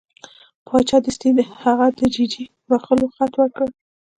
باچا دستي هغه د ججې بخښلو خط ورکړ.